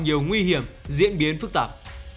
nhiều nguy hiểm diễn biến phức tạp